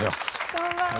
こんばんは。